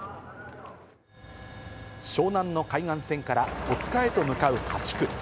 湘南の海岸線から戸塚へと向かう８区。